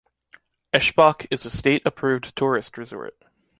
Eschbach is a state-approved tourist resort.